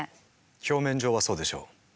表面上はそうでしょう。